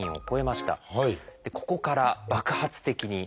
ここから爆発的に。